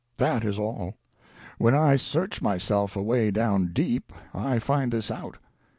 That is all. When I seardi myself away down deep, I find this out.